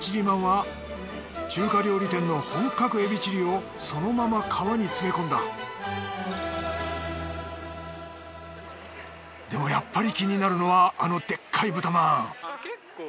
まんは中華料理店の本格エビチリをそのまま皮に詰め込んだでもやっぱり気になるのはあのでっかいブタまん。